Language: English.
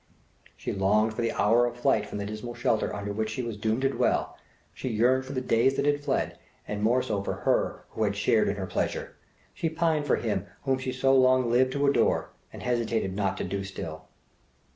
She longed for the hour of flight from the dismal shelter under which she was doomed to dwell. She yearned for the days that had fled, and more so for her who had shared in their pleasure. She pined for him whom she so long lived to adore, and hesitated not to do so still.